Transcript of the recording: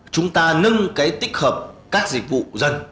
chúng ta nâng cái tích hợp các dịch vụ dân